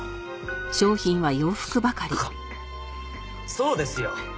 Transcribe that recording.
そうですよ。